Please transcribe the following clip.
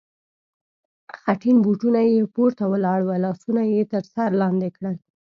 خټین بوټونه یې پورته ولاړ و، لاسونه یې تر سر لاندې کړل.